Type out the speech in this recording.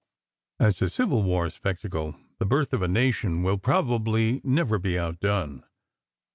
As a Civil War spectacle, "The Birth of a Nation" will probably never be outdone.